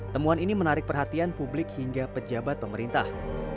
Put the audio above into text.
temuan ini menarik perhatian publik hingga pejabat pemerintah